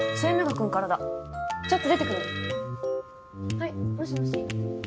はいもしもし。